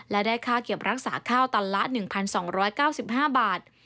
และได้ค่าเก็บรักษาข้าวตันละ๑๒๙๕บาท